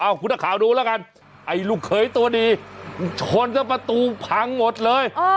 เอาคุณนักข่าวดูแล้วกันไอ้ลูกเขยตัวดีชนซะประตูพังหมดเลย